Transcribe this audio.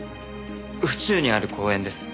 府中にある公園です。